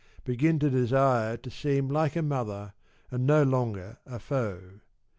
Begin to desire to seem like a mother, and no longer a foe.